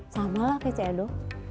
sama lah kayak celo